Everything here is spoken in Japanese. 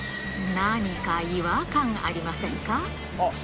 何か違和感ありませんか？